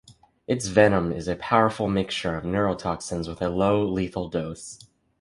Its venom is a powerful mixture of neurotoxins, with a low lethal dose.